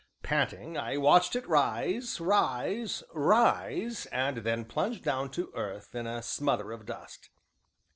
Panting, I watched it rise, rise, rise, and then plunge down to earth in a smother of dust.